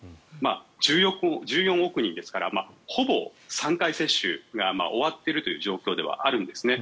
１４億人ですからほぼ３回接種が終わっているという状況ではあるんですね。